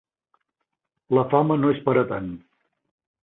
La fama no és per a tant.